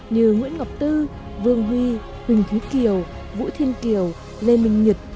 như nguyễn ngọc tư vương huy huỳnh thúy kiều vũ thiên kiều lê minh nhật